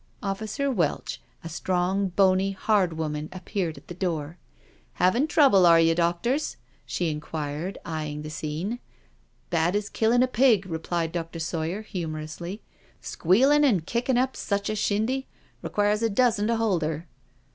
'* Officer Welch, a strong, bony, hard woman appeared at the door. " Havin' trouble, are you, doctors?" she inquired, eyeing the scene. " Bad as killing a pig," replied Dr. Sawyer humour ously. Squealing and kicking up such a shindy — requires a dozen to hold her.'